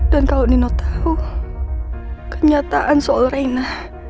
dan kalau nino tahu kenyataan soal reina